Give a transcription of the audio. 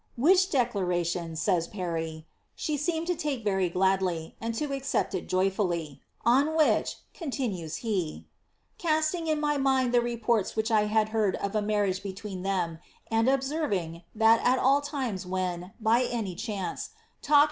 ^ Which declaration," says Parry, " she seemed to Uike ▼ery gladly, and to accept it joyfully. On which," continues he, ^ casting in my mind the reports which I had heard of a marriage be tween them, and observing, that at all times when, by any chance, talk * Haynes' State Papers.